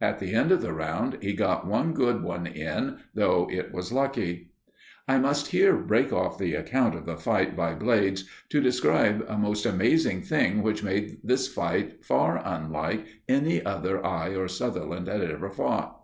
At the end of the round he got one good one in, though it was lucky. I must here break off the account of the fight by Blades to describe a most amazing thing which made this fight far unlike any other that I or Sutherland had ever fought.